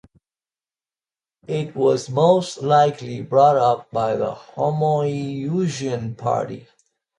It was most likely brought up by the Homoiousian party.